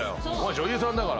女優さんだから。